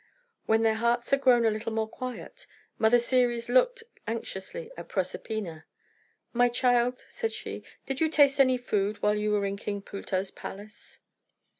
When their hearts had grown a little more quiet, Mother Ceres looked anxiously at Proserpina. "My child," said she, "did you taste any food while you were in King Pluto's palace?"